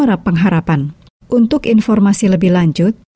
kau lah jalankan kebenaran dalam hidup